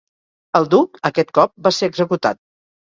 El duc, aquest cop, va ser executat.